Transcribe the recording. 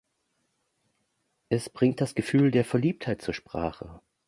Es bringt das Gefühl der Verliebtheit zur Sprache.